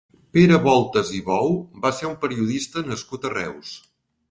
Pere Voltes i Bou va ser un periodista nascut a Reus.